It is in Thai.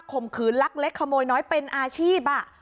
ข่มขืนลักเล็กขโมยน้อยเป็นอาชีพ